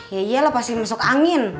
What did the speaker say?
ya iyalah pasti masuk angin